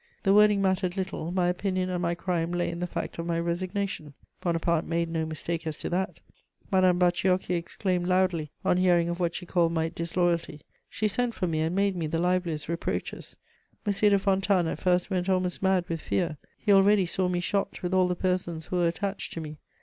The wording mattered little: my opinion and my crime lay in the fact of my resignation: Bonaparte made no mistake as to that. Madame Bacciochi exclaimed loudly on hearing of what she called my "disloyalty;" she sent for me and made me the liveliest reproaches. M. de Fontanes at first went almost mad with fear: he already saw me shot, with all the persons who were attached to me.